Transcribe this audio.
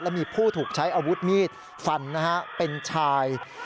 และมีผู้ถูกใช้อาวุธมีดฟันนะฮะเป็นชาย